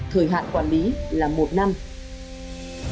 thời hạn quản lý là một năm